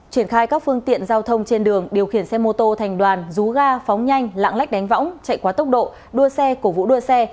triển khai các phương tiện giao thông trên đường điều khiển xe mô tô thành đoàn rú ga phóng nhanh lạng lách đánh võng chạy quá tốc độ đua xe cổ vũ đua xe